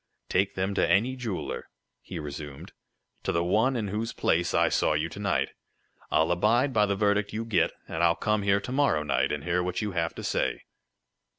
"Take them to any jeweler," he resumed "to the one in whose place I saw you to night. I'll abide by the verdict you get, and I'll come here to morrow night, and hear what you have to say."